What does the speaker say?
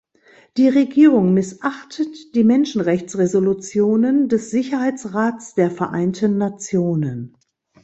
Die Regierung missachtet die Menschenrechtsresolutionen des Sicherheitsrats der Vereinten Nationen.